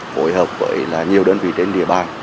hồi hợp với nhiều đơn vị trên địa bàn